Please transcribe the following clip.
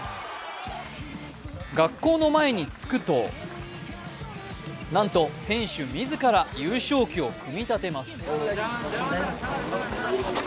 学校の前に着くと、なんと選手自ら優勝旗を組み立てます。